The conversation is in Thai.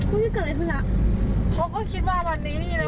เฮ้ยเกิดอะไรขึ้นล่ะเขาก็คิดว่าวันนี้นี่แล้วไง